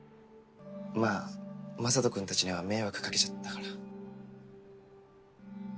まぁ雅人君たちには迷惑かけちゃったから。